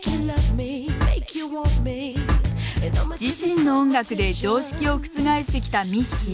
自身の音楽で常識を覆してきたミッシー。